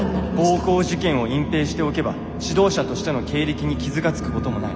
「暴行事件を隠ぺいしておけば指導者としての経歴に傷がつくこともない。